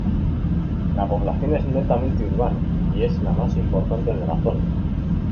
La población es netamente urbana y es la más importante de la zona.